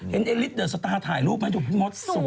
เห็นอัลฟิปเจอร์ถ่ายรูปไหม